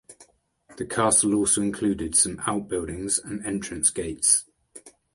The castle also included some outbuildings and entrance gates.